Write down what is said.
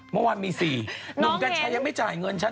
เมื่อวานมี๔หนุ่มกัญชัยยังไม่จ่ายเงินฉัน